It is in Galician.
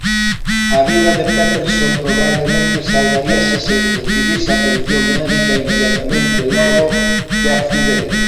A vida de Peterson probablemente salvaríase se recibise atención médica inmediatamente logo do accidente.